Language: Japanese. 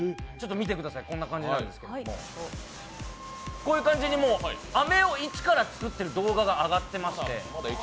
見てください、こんな感じなんですこういう感じに、飴をいちから作ってる動画が上がってまして。